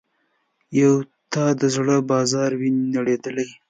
یو د تا د زړه بازار وي نړیدلی